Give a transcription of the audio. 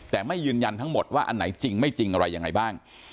แต่ไม่ยืนยันทั้งหมดว่าอันไหนจริงไม่จริงอะไรยังไงบ้าง